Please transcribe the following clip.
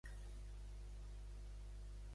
Possiblement era originari de Bilbao.